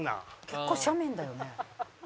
「結構斜面だよね」